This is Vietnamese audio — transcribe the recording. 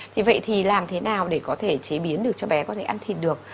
thì vậy thì làm thế nào để có thể chế biến được cho bé có thể ăn thịt được